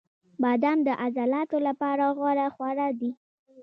• بادام د عضلاتو لپاره غوره خواړه دي.